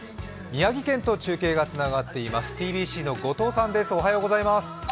宮城県と中継がつながっています。